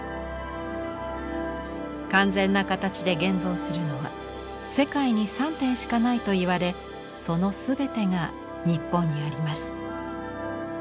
完全な形で現存するのは世界に３点しかないといわれその全てが日本にあります。